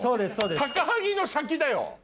高萩の先だよ。